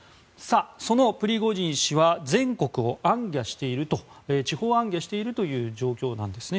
そのプリゴジン氏は全国を地方行脚しているという状況なんですね。